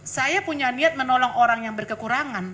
saya punya niat menolong orang yang berkekurangan